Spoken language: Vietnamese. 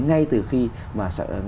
ngay từ khi mà